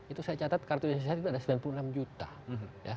itu saya catat kartu indonesia saya itu ada sembilan puluh enam juta